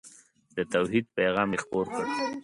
د توحید پیغام یې خپور کړ.